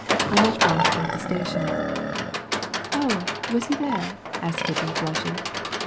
"I met Vronsky at the railway station." "Oh, was he there?" asked Kitty, blushing.